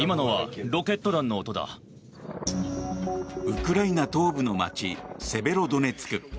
ウクライナ東部の街セベロドネツク。